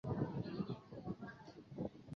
教父早期宗教作家及宣教师的统称。